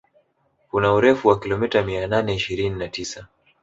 Kuna urefu wa kilomita mia nane ishirini na tisa